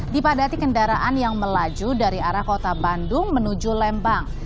dipadati kendaraan yang melaju dari arah kota bandung menuju lembang